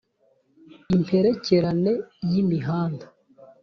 impererekane y' imihanda